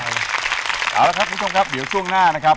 เอาละครับคุณผู้ชมครับเดี๋ยวช่วงหน้านะครับ